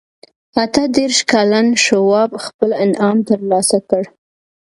اته دېرش کلن شواب خپل انعام ترلاسه کړ.